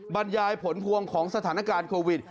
บรรยายผลพวงของสถานการณ์โควิด